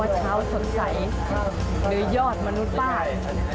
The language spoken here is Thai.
วันเช้าสงสัยหรือยอดมนุษย์บ้าน